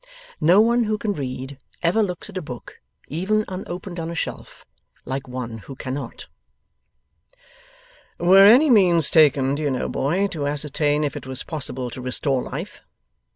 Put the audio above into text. No one who can read, ever looks at a book, even unopened on a shelf, like one who cannot. 'Were any means taken, do you know, boy, to ascertain if it was possible to restore life?